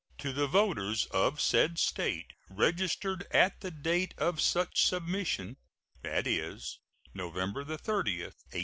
to the voters of said State registered at the date of such submission, viz, November 30, 1869.